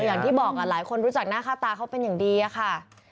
อย่างที่บอกหลายคนรู้จักหน้าค่าตาเขาเป็นอย่างดีอะค่ะ